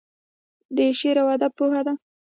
د شعر او ادب هیواد.